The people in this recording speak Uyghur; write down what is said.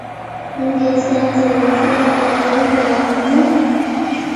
ئىنگلىزچە تېلېۋىزىيە تىياتىرى لازىممۇ؟